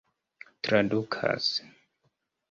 tradukas